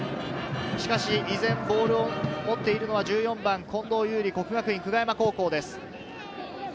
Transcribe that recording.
依然、ボールを持っているのは１４番・近藤侑璃、國學院久我山高校です。